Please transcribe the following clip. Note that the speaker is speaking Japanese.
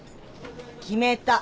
決めた。